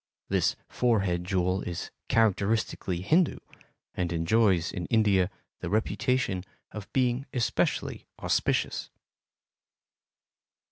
This forehead jewel is characteristically Hindu and enjoys in India the reputation of being especially auspicious.